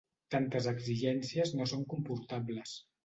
Tantes exigències no són comportables.